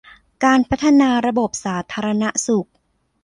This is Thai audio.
การพัฒนาระบบสาธารณสุข